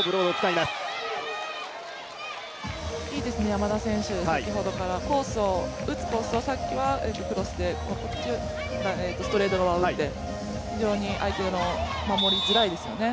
いいですね、山田選手、先ほどから打つコースを、さっきはクロスでストレート側を打って非常に相手も守りづらいですよね。